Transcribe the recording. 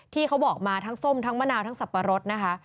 ที่เขาบอกมาทั้งส้มทั้งมะนาวทั้งสับปะรดนะคะ